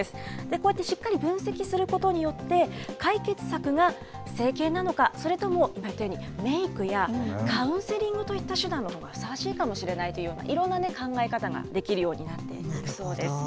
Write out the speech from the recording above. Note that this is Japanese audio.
こうやってしっかり分析することによって、解決策が整形なのか、それとも言われたとおり、メークやカウンセリングといった手段のほうがふさわしいかもしれないというような、いろんな考え方ができるようになっていきそうです。